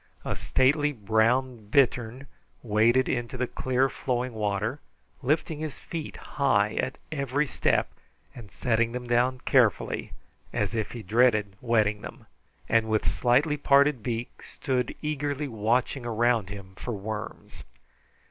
A stately brown bittern waded into the clear flowing water, lifting his feet high at every step, and setting them down carefully, as if he dreaded wetting them, and with slightly parted beak, stood eagerly watching around him for worms.